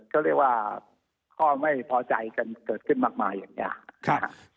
เขาเรียกว่าข้อไม่พอใจกันเกิดขึ้นมากมายอย่างนี้นะครับ